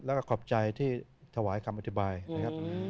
แล้วก็ขอบใจที่ถวายคำอธิบายนะครับ